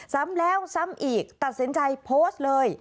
ซ้ำแล้วซ้ำอีกตัดสินใจโพสต์เลย